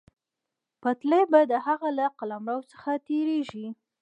پټلۍ به د هغه له قلمرو څخه تېرېږي.